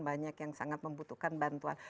banyak yang sangat membutuhkan bantuan